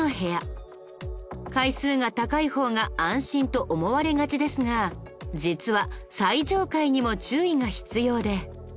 階数が高い方が安心と思われがちですが実は最上階にも注意が必要で。